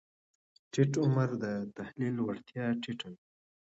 ټیټ عمر د تحلیل وړتیا ټیټه وي.